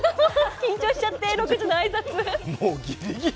緊張しちゃって、６時の挨拶。